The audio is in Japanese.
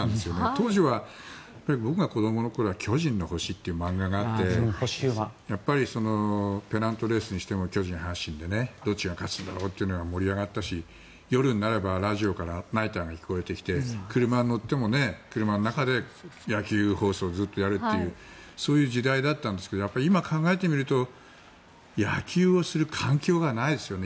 当時は、僕が子どもの頃は「巨人の星」という漫画があってペナントレースにしても巨人阪神でどっちが勝つんだろうと盛り上がったし夜になればラジオからナイターが聞こえてきて車に乗っても車の中で野球放送をずっとやっているという時代だったんですけど今、考えてみると野球をする環境がないですよね。